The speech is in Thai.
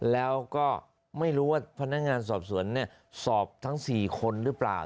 แล้วก็ไม่รู้ว่าพนักงานสอบสวนสอบทั้ง๔คนหรือเปล่า